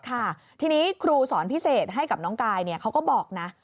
ค่ะทีนี้ครูสอนพิเศษให้กับน้องกายเขาก็บอกนะ